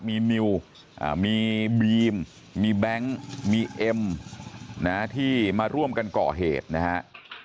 มีนิวมีบีมมีแบงค์มีเอ็มที่มาร่วมกันก่อเหตุนะฮะ